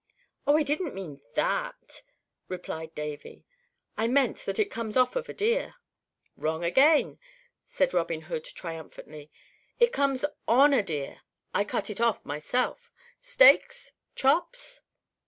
"Oh, I didn't mean that," replied Davy; "I meant that it comes off of a deer." "Wrong again!" said Robin Hood, triumphantly. "It comes on a deer. I cut it off myself. Steaks? Chops?"